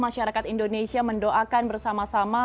masyarakat indonesia mendoakan bersama sama